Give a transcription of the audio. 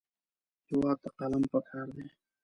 هېواد ته قلم پکار دی